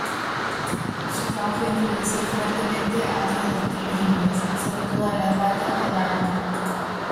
Su trabajo influenció fuertemente a otras doctrinas indias, sobre todo el advaita vedanta.